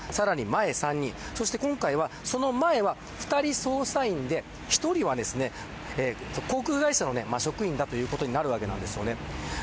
両サイド、さらに前３人そして今回はその前は、２人捜査員で１人は航空会社の職員だということになるわけなんです。